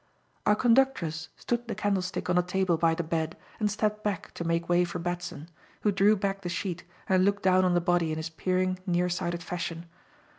Our conductress stood the candlestick on a table by the bed and stepped back to make way for Batson, who drew back the sheet and looked down on the body in his peering, near sighted fashion.